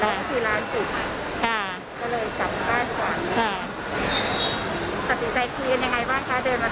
ก็เลยเพราะบ้านไป